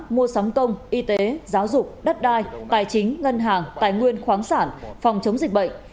mua sắm công y tế giáo dục đất đai tài chính ngân hàng tài nguyên khoáng sản phòng chống dịch bệnh